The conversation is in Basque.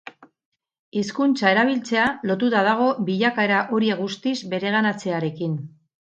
Hizkuntza erabiltzea lotuta dago bilakaera horiek guztiz bereganatzearekin.